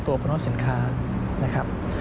ตัวกนอกสินค้านะครับ